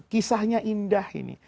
kisahnya indah ini